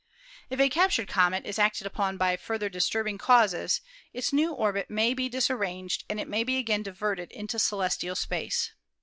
If a captured comet is acted upon by further disturbing causes, its new orbit may be disar COMETS, METEORS AND METEORITES 243 ranged and it may be again diverted into celestial space.